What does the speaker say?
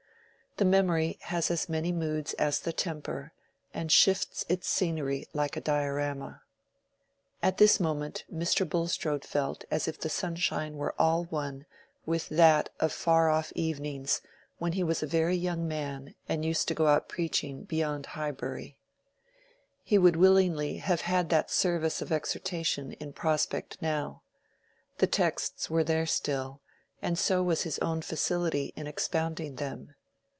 The memory has as many moods as the temper, and shifts its scenery like a diorama. At this moment Mr. Bulstrode felt as if the sunshine were all one with that of far off evenings when he was a very young man and used to go out preaching beyond Highbury. And he would willingly have had that service of exhortation in prospect now. The texts were there still, and so was his own facility in expounding them.